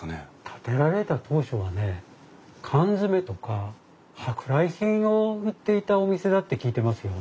建てられた当初はね缶詰とか舶来品を売っていたお店だって聞いてますよ。